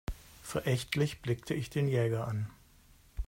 Verächtlich blickte ich den Jäger an.